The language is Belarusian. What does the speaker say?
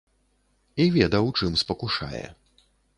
І ведаў, чым спакушае.